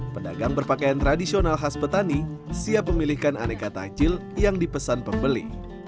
pedagang berpakaian tradisional khas petani siap memilihkan aneka takjil yang dipesan pembeli